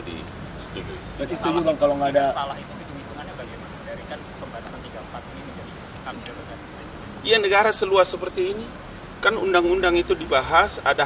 di setuju kalau nggak ada iya negara seluas seperti ini kan undang undang itu dibahas ada